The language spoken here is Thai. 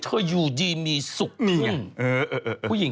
ฉันคือแม่สวยค่าแพง